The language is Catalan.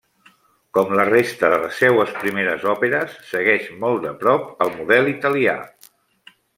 Com la resta de les seues primeres òperes, segueix molt de prop el model italià.